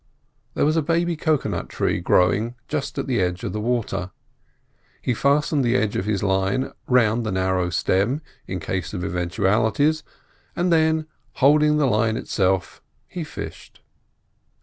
There was a baby cocoa nut tree growing just at the edge of the water. He fastened the end of his line round the narrow stem, in case of eventualities, and then, holding the line itself, he fished.